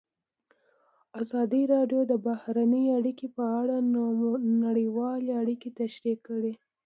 ازادي راډیو د بهرنۍ اړیکې په اړه نړیوالې اړیکې تشریح کړي.